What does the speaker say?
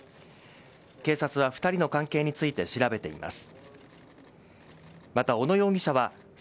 警察は２人の関係について調べています。